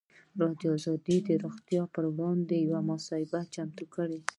ازادي راډیو د روغتیا پر وړاندې یوه مباحثه چمتو کړې.